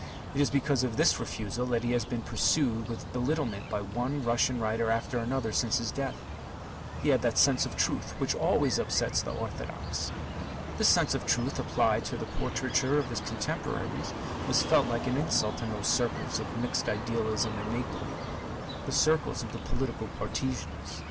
It is because of this refusal that he has been pursued with belittlement by one Russian writer after another since his death. He had that sense of truth which always upsets the orthodox. This sense of truth applied to the portraiture of his contemporaries was felt like an insult in those circles of mixed idealism and make believe, the circles of the political partisans.